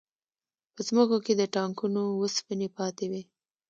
په ځمکو کې د ټانکونو وسپنې پاتې وې